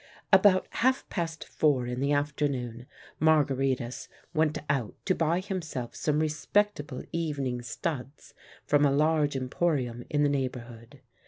About half past four in the afternoon Margaritis went out to buy himself some respectable evening studs from a large emporium in the neighbourhood.